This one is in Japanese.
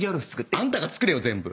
あんたが作れよ全部！